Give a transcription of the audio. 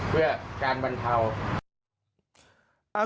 เพื่อการบรรเทา